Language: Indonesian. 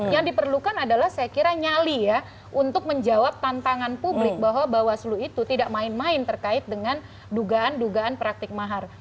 yang diperlukan adalah saya kira nyali ya untuk menjawab tantangan publik bahwa bawaslu itu tidak main main terkait dengan dugaan dugaan praktik mahar